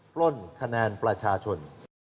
ปล้นคะแนนประชาชน